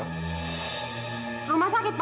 rumah sakit pa